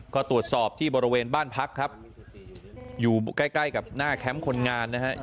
ก็ตรวจสอบที่บริเวณบ้านพักครับอยู่ใกล้ใกล้กับหน้าแคมป์คนงานนะฮะ